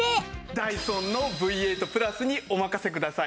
ダイソンのＶ８プラスにお任せください！